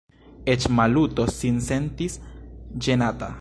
Eĉ Maluto sin sentis ĝenata.